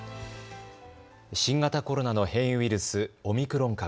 新型コロナの変異ウイルス、オミクロン株。